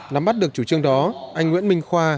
nắm bắt được chủ trương đó anh nguyễn minh khoa